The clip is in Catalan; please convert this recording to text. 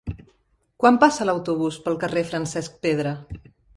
Quan passa l'autobús pel carrer Francesc Pedra?